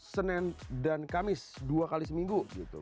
senin dan kamis dua kali seminggu